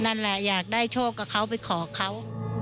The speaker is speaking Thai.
นั่นแหละอยากได้โชคกับเขาไปขอเขา